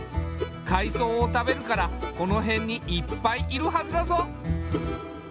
海藻を食べるからこの辺にいっぱいいるはずだぞ。